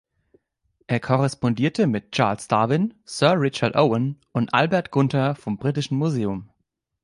Er korrespondierte mit Charles Darwin, Sir Richard Owen und Albert Gunther vom Britischen Museum.